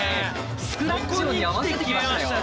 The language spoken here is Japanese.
スクラッチ音に合わせてきましたよ。